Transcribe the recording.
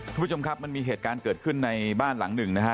คุณผู้ชมครับมันมีเหตุการณ์เกิดขึ้นในบ้านหลังหนึ่งนะฮะ